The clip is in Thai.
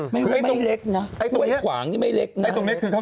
ไม่เล็กนะ